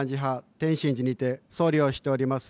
天真寺にて僧侶をしております